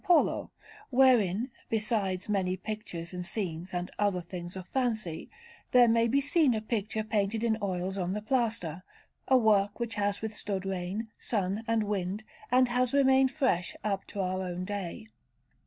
Polo; wherein, besides many pictures and scenes and other things of fancy, there may be seen a picture painted in oils on the plaster, a work which has withstood rain, sun, and wind, and has remained fresh up to our own day.